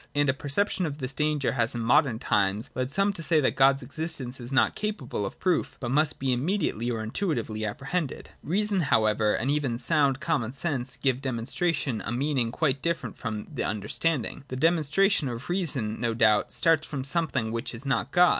And a perception of this danger has in modern times led some to say that God's existence is not capable of proof, but must be immediately or intuitively ap prehended. Reason, however, and even sound common sense give demonstration a meaning quite different from 36.] NATURAL THEOLOGY. 75 that of the understanding. The demonstration of reason no doubt starts from something which is not God.